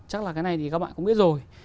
chắc là cái này thì các bạn cũng biết rồi